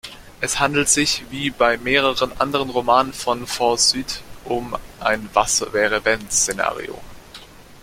Es handelt sich, wie bei mehreren anderen Romanen von Forsyth, um ein „Was-wäre-wenn“-Szenario.